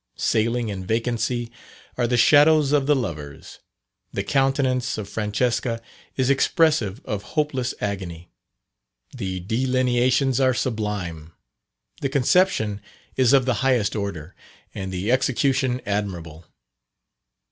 Sailing in vacancy are the shadows of the lovers. The countenance of Francesca is expressive of hopeless agony. The delineations are sublime, the conception is of the highest order, and the execution admirable.